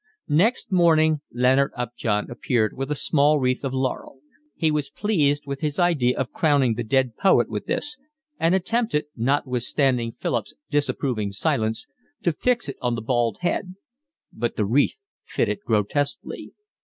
Next morning Leonard Upjohn appeared with a small wreath of laurel. He was pleased with his idea of crowning the dead poet with this; and attempted, notwithstanding Philip's disapproving silence, to fix it on the bald head; but the wreath fitted grotesquely.